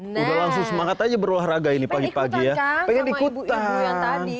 nah pengen ikutan kan sama ibu ibu yang tadi